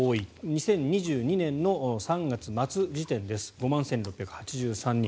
２０２２年の３月末時点です５万１６８３人。